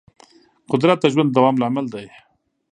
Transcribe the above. قدرت د ژوند د دوام لامل دی.